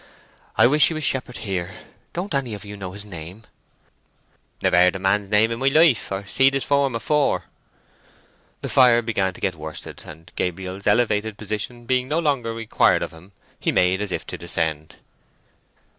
"I wish he was shepherd here. Don't any of you know his name." "Never heard the man's name in my life, or seed his form afore." The fire began to get worsted, and Gabriel's elevated position being no longer required of him, he made as if to descend.